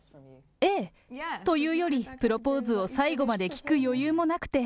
ええ、というより、プロポーズを最後まで聞く余裕もなくて。